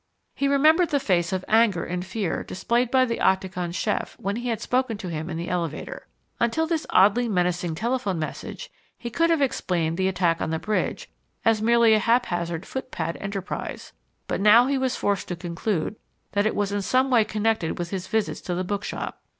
He remembered the face of anger and fear displayed by the Octagon chef when he had spoken to him in the elevator. Until this oddly menacing telephone message, he could have explained the attack on the Bridge as merely a haphazard foot pad enterprise; but now he was forced to conclude that it was in some way connected with his visits to the bookshop.